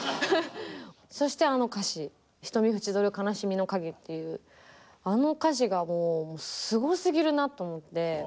そしてあの歌詞「瞳ふちどる悲しみの影」っていうあの歌詞がもうすごすぎるなと思って。